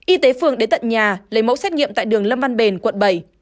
y tế phường đến tận nhà lấy mẫu xét nghiệm tại đường lâm văn bền quận bảy